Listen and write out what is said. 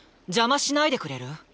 邪魔しないでくれる？